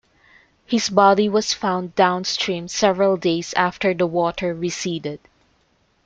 His body was found downstream several days after the water receded.